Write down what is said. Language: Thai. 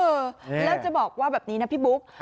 เออแล้วจะบอกว่าแบบนี้นะพี่บุ๊ค